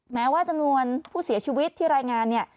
แม้ว่าจำนวนผู้เสียชีวิตที่รายงานเนี่ย